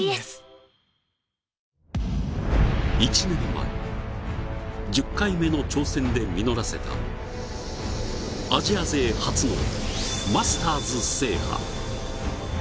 １年前、１０回目の挑戦で実らせたアジア勢初のマスターズ制覇。